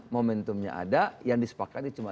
momentumnya ada yang disepakati cuma